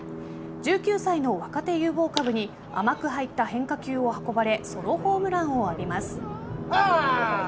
１９歳の若手有望株に甘く入った変化球を運ばれソロホームランを浴びます。